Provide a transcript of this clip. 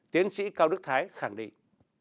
tiến sĩ cao đức thái khẳng định